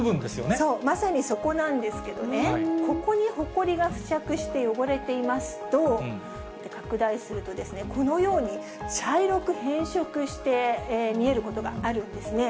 そう、まさにそこなんですけどね、ここにほこりが付着して汚れていますと、拡大するとですね、このように、茶色く変色して見えることがあるんですね。